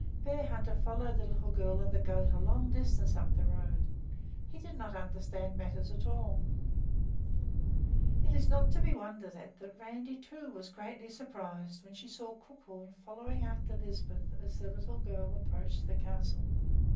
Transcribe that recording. Bearhunter followed the little girl and the goat a long distance up the road. He did not understand matters at all! It is not to be wondered at that Randi, too, was greatly surprised when she saw Crookhorn following after Lisbeth as the little girl approached the castle.